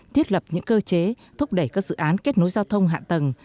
thiết lập những cơ chế thúc đẩy các dự án kết nối giao thông hạ tầng